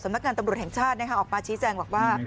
นักงานตำรวจแห่งชาติออกมาชี้แจงบอกว่า